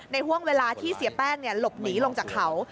ห่วงเวลาที่เสียแป้งหลบหนีลงจากเขา